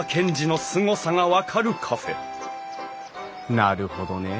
なるほどねえ。